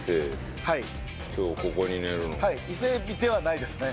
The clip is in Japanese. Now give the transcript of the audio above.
伊勢エビではないですね。